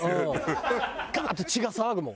ガーッと血が騒ぐもん。